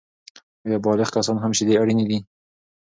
آیا بالغ کسان هم شیدې اړینې دي؟